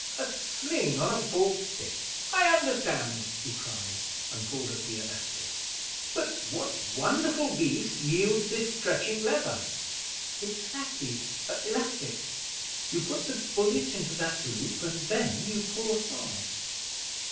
'A sling on a forked stick. I understand!' he cried, and pulled at the elastic. 'But what wonderful beast yields this stretching leather?' 'It's laccy elastic. You put the bullet into that loop, and then you pull hard.'